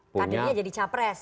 tadinya jadi capres